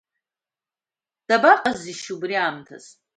Дабаҟазишь уи убри аамҭаз?